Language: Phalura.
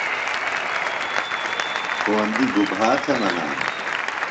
پوندیۡ گُبھا تھےۡ منانہ؟